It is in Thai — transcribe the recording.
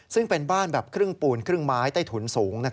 ซึ่งเป็นบ้านแบบครึ่งปูนครึ่งไม้ใต้ถุนสูง